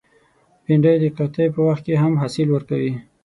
بېنډۍ د قحطۍ په وخت کې هم حاصل ورکوي